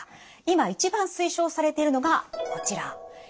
今一番推奨されているのがこちら。